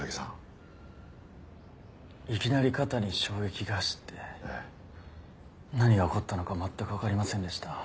いきなり肩に衝撃が走って何が起こったのか全くわかりませんでした。